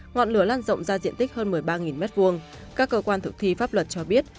ngọn lửa lan rộng ra diện tích hơn một mươi ba m hai các cơ quan thực thi pháp luật cho biết